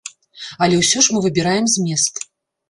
Але ўсё ж мы выбіраем змест.